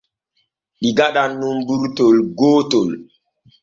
Ɗi gaɗan nun burtol gootol.